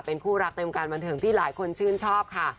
เป็นคู่รักในวงการบันเทิงที่หลายคนชื่นชอบค่ะ